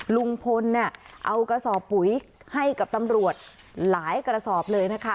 ลุงพลเนี่ยเอากระสอบปุ๋ยให้กับตำรวจหลายกระสอบเลยนะคะ